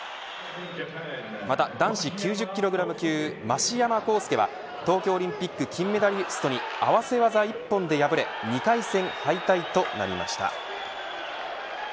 また男子９０キログラム級増山香補は東京オリンピック金メダリストに合わせ技一本で敗れ２回戦敗退となりました。